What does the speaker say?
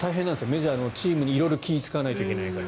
メジャーのチームに色々気を使わないといけないから。